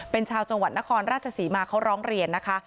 เป็นชาวจังหวัดนครราชศรีมาเขาร้องเรียนนะคะ